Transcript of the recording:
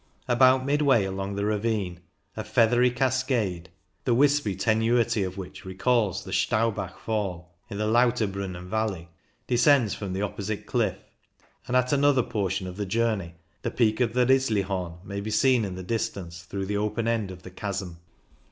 About midway along the ravine, a feathery cascade, the wispy THE GRIMSEL 149 tenuity of which recalls the Staubbach Fall in the Lauterbrunnen valley, descends from the opposite cliff, and at another portion of the journey the peak of the Rizlihorn may be seen in the distance through the open end of the chasm.